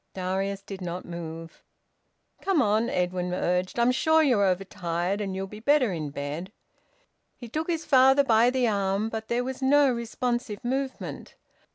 Darius did not move. "Come on," Edwin urged. "I'm sure you're overtired, and you'll be better in bed." He took his father by the arm, but there was no responsive movement.